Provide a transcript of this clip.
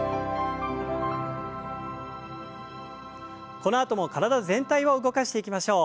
このあとも体全体を動かしていきましょう。